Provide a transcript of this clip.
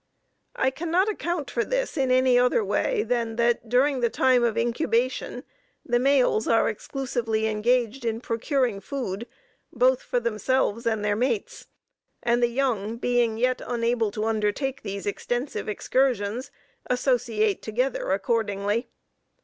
I cannot account for this in any other way than that, during the time of incubation, the males are exclusively engaged in procuring food, both for themselves and their mates, and the young, being yet unable to undertake these extensive excursions, associate together accordingly.